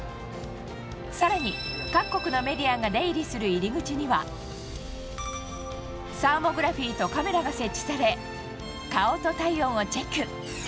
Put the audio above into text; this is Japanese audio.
更に各国のメディアが出入りする入り口にはサーモグラフィーとカメラが設置され顔と体温をチェック。